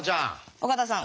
尾形さん。